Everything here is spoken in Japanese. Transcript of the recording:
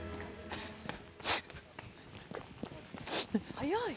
早い。